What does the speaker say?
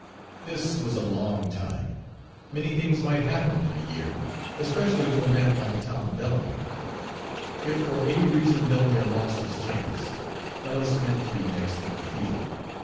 This was a long time, many things might happen in a year, especially to a man like Tom Delamere. If for any reason Delamere lost his chance, Ellis meant to be next in the field.